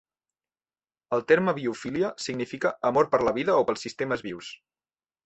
El terme "biofilia" significa "amor per la vida o pels sistemes vius".